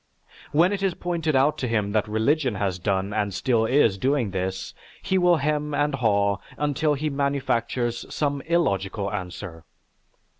When it is pointed out to him that religion has done and still is doing this, he will hem and haw until he manufactures some illogical answer.